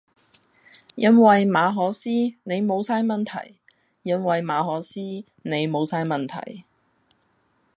因為馬可思你無曬問題，因為馬可思你無曬問題